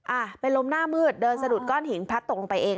อ่ะเป็นลมหน้ามืดเดินสะดุดก้อนหินพลัดตกลงไปเอง